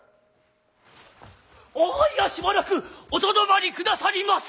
「あいやしばらくおとどまりくださりませ」。